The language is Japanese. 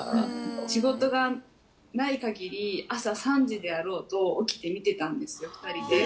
仕事がないかぎり、朝３時であろうと、起きて見てたんですよ、２人で。